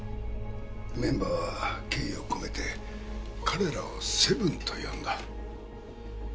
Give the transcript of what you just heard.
メンバーは敬意を込めて彼らを「セブン」と呼んだ。